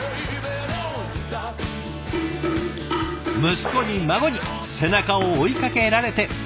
息子に孫に背中を追いかけられて。